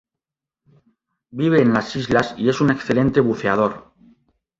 Vive en las islas y es un excelente buceador.